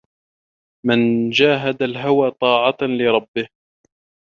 مَنْ جَاهَدَ الْهَوَى طَاعَةً لِرَبِّهِ